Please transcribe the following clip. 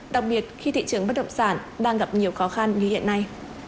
đặc biệt khi thị trường bất động sản đang gặp nhiều khó khăn như hiện nay